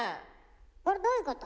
これどういうこと？